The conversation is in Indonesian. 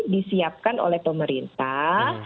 disiapkan oleh pemerintah